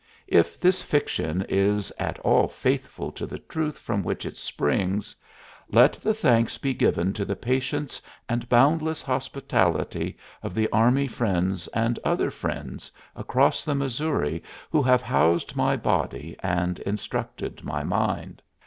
If this fiction is at all faithful to the truth from which it springs, let the thanks be given to the patience and boundless hospitality of the Army friends and other friends across the Missouri who have housed my body and instructed my mind.